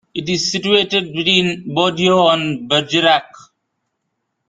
It is situated between Bordeaux and Bergerac.